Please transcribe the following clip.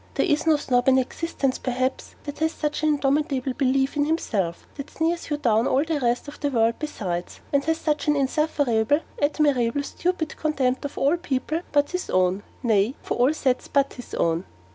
There is no Snob in existence, perhaps, that has such an indomitable belief in himself: that sneers you down all the rest of the world besides, and has such an insufferable, admirable, stupid contempt for all people but his own nay, for all sets but his own.